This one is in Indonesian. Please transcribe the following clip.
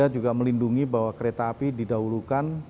juga melindungi bahwa kereta api didahulukan